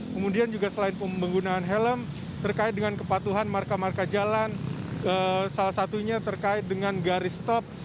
kemudian juga selain penggunaan helm terkait dengan kepatuhan marka marka jalan salah satunya terkait dengan garis top